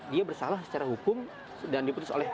dia bersalah secara hukum dan diputus oleh